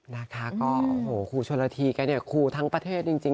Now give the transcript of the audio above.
นะคะก็โอ้โหครูชนละทีแกเนี่ยครูทั้งประเทศจริง